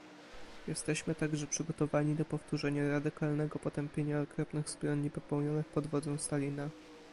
Jesteśmy także przygotowani do powtórzenia radykalnego potępienia okropnych zbrodni popełnionych pod wodzą Stalina